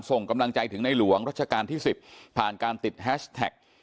ส่งกำลังใจถึงในหลวงรัชกาลที่๑๐ผ่านการติดแฮชแท็ก